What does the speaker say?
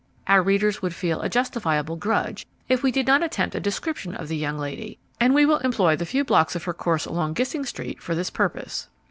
Our readers would feel a justifiable grudge if we did not attempt a description of the young lady, and we will employ the few blocks of her course along Gissing Street for this purpose.